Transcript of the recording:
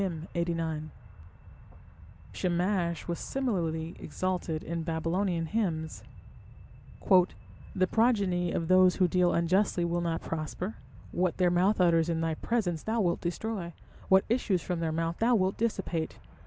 Shamash was similarly exalted in Babylonian hymns: The progeny of those who deal unjustly will not prosper. What their mouth utters in thy presence Thou wilt destroy, what issues from their mouth thou wilt dissipate.